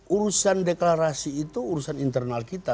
urusan deklarasi itu urusan internal kita